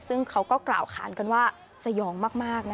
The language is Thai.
ซึ่งเขาก็กล่าวค้านกันว่าสยองมาก